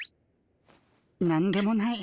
何でもない。